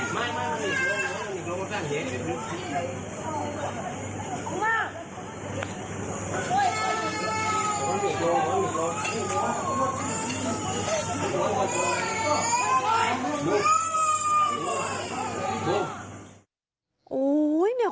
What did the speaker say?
ไม่มันมีโรงการเหนียง